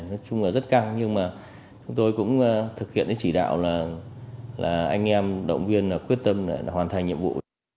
nói chung là rất căng nhưng mà chúng tôi cũng thực hiện cái chỉ đạo là anh em động viên quyết tâm để hoàn thành nhiệm vụ